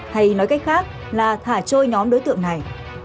hay nói cách khác là thả trôi nhóm đối tượng này